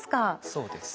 そうです。